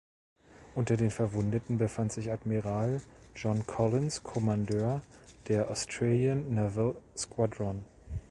Unter den Verwundeten befand sich Admiral John Collins, Kommandeur der Australian Naval Squadron.